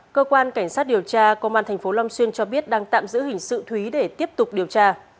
cơ quan cảnh sát điều tra công an tp long xuyên cho biết đang tạm giữ hình sự thúy để tiếp tục điều tra